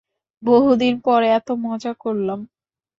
বহুদিন পর এত মজা করলাম।